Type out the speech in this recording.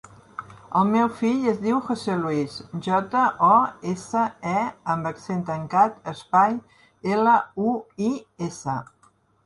El meu fill es diu José luis: jota, o, essa, e amb accent tancat, espai, ela, u, i, essa.